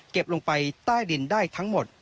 ลงไปใต้ดินได้ทั้งหมด